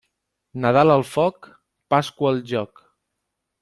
Nadal al foc, Pasqua al joc.